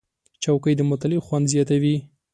چوکۍ د مطالعې خوند زیاتوي.